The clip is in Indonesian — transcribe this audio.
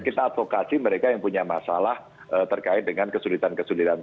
kita advokasi mereka yang punya masalah terkait dengan kesulitan kesulitan